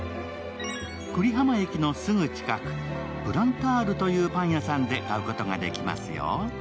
久里浜駅のすぐ近く、ぷらんたるというパン屋さんで買うことができますよ。